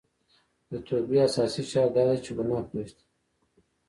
د توبې اساسي شرط دا دی چې ګناه پريږدي